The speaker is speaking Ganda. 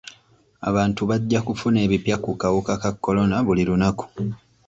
Abantu bajja kufuna ebipya ku kawuka ka kolona buli lunaku.